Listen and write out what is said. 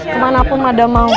kemanapun mada mau